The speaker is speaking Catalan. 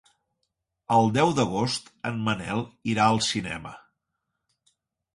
El deu d'agost en Manel irà al cinema.